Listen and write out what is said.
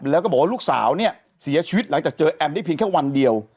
แล้วก็บอกว่าลูกสาวเนี่ยเสียชีวิตหลังจากเจอแอมได้เพียงแค่วันเดียว